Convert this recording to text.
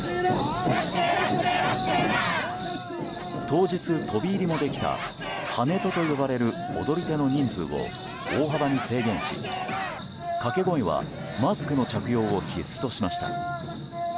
当日飛び入りもできたハネトと呼ばれる踊り手の人数を大幅に制限し、掛け声はマスクの着用を必須としました。